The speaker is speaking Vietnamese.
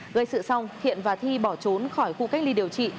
gây sự xong thiện và thi bỏ trốn khỏi khu cách ly điều trị